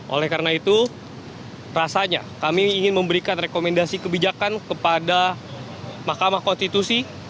oleh karena itu rasanya kami ingin memberikan rekomendasi kebijakan kepada mahkamah konstitusi